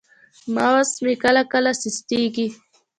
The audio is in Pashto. ماوس مې کله کله سستېږي.